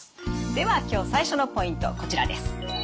では今日最初のポイントこちらです。